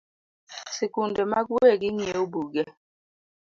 Sikunde mag wegi ng’iewo buge